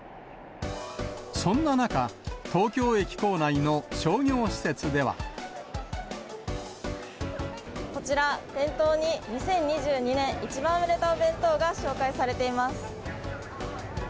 そんな中、こちら、店頭に２０２２年一番売れたお弁当が紹介されています。